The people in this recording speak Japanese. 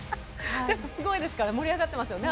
やっぱすごいですから盛り上がってますよね